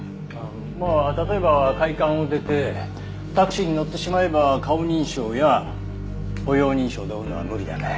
まあ例えば会館を出てタクシーに乗ってしまえば顔認証や歩容認証で追うのは無理だね。